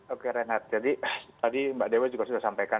oke renat jadi tadi mbak dewi juga sudah sampaikan